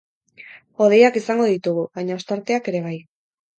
Hodeiak izango ditugu, baina ostarteak ere bai.